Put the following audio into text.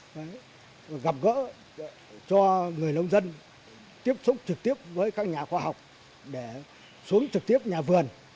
và gặp gỡ cho người nông dân tiếp xúc trực tiếp với các nhà khoa học để xuống trực tiếp nhà vườn